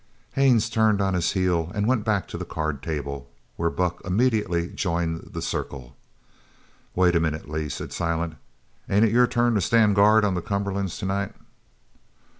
Haines turned on his heel and went back to the card table, where Buck immediately joined the circle. "Wait a minute, Lee," said Silent. "Ain't it your turn to stand guard on the Cumberlands tonight?"